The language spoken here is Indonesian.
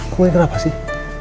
kok ini kenapa sih